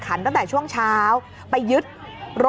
ก็ไม่มีอำนาจ